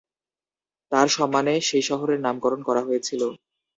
তাঁর সম্মানে সেই শহরের নামকরণ করা হয়েছিল।